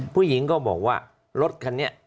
ผู้หญิงก็บอกว่ารถคันนี้